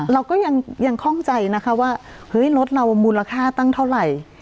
เราก็ยังคล่องใจนะคะว่าเฮ้ยรถเรามูลค่าตั้งเท่าไหร่